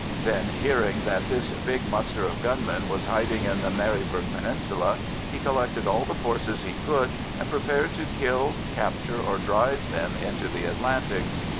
Then, hearing that this big muster of gunmen was hiding in the Maryburgh Peninsula, he collected all the forces he could, and prepared to kill, capture, or drive them into the Atlantic.